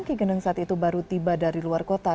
ki geneng saat itu baru tiba dari luar kota